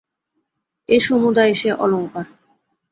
এ সমুদায় সেই অলঙ্কার।